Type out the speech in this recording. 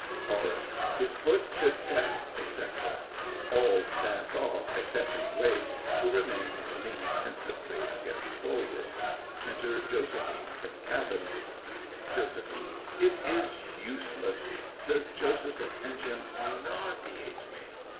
CHORUS.—His foot should stamp, etc. [All dance off excepting RALPH, who remains, leaning pensively against bulwark. Enter JOSEPHINE from cabin JOS. It is useless—Sir Joseph's attentions nauseate me.